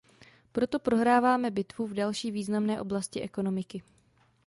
Proto prohráváme bitvu v další významné oblasti ekonomiky.